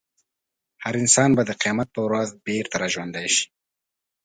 هر انسان به د قیامت په ورځ بېرته راژوندی شي.